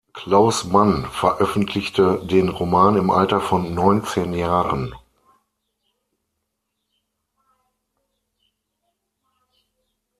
Klaus Mann veröffentlichte den Roman im Alter von neunzehn Jahren.